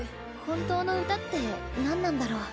本当の歌って何なんだろう？